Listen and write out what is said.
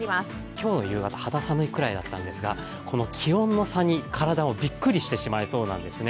今日の夕方肌寒いぐらいんだったんですがこの気温の差に体もびっくりしてしまいそうなんですね。